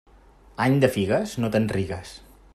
Any de figues, no te'n rigues.